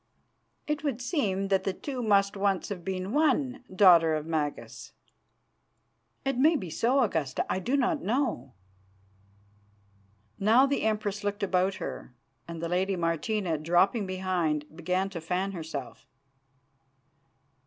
"'It would seem that the two must once have been one, Daughter of Magas?' "'It may be so, Augusta; I do not know.' "Now the Empress looked about her, and the lady Martina, dropping behind, began to fan herself.